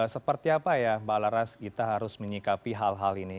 seperti apa ya mbak laras kita harus menyikapi hal hal ini